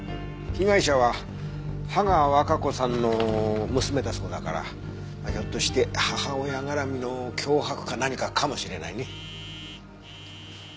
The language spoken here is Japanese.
被害者は芳賀和香子さんの娘だそうだからひょっとして母親絡みの脅迫か何かかもしれないね。